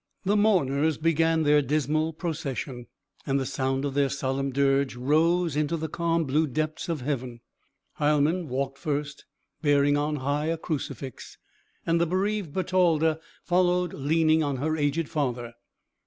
The mourners began their dismal procession, and the sound of their solemn dirge rose into the calm blue depths of heaven. Heilmann walked first, bearing on high a crucifix, and the bereaved Bertalda followed leaning on her aged father.